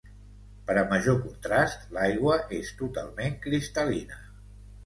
Però per major contrast, l'aigua és totalment cristal·lina.